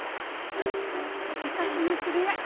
昔の知り合い。